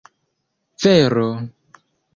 vero